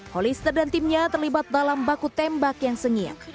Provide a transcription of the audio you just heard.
polis terdantimnya terlibat dalam baku tembak yang sengit